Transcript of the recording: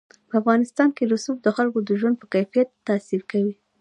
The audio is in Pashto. په افغانستان کې رسوب د خلکو د ژوند په کیفیت تاثیر کوي.